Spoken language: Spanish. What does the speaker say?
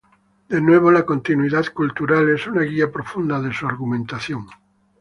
De nuevo la 'continuidad cultural' es una guía profunda de su argumentación.